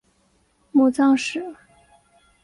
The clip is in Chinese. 母臧氏。